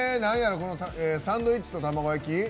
サンドイッチと卵焼き？